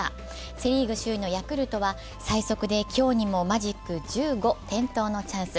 セ・リーグ首位のヤクルトは最速で今日にもマジック１５点灯のチャンス。